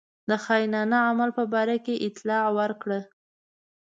خاینانه عمل په باره کې اطلاع ورکړه.